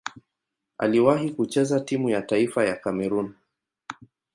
Aliwahi kucheza timu ya taifa ya Kamerun.